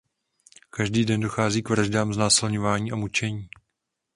Každý den dochází k vraždám, znásilňování a mučení.